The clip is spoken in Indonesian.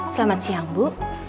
selamat siang bu